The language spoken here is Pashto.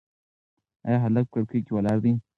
ایا هلک په کړکۍ کې ولاړ دی؟